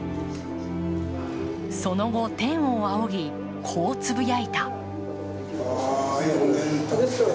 その後、天を仰ぎこうつぶやいた。